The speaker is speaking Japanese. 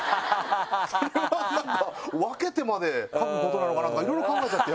それはなんか分けてまで書くことなのかなとかいろいろ考えちゃって。